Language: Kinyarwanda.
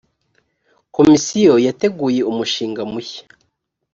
komisiyo yateguye umushinga mushya.